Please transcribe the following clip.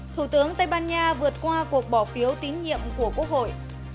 thủ tướng tây ban nha vượt qua cuộc bỏ phiếu tín nhiệm của quốc hội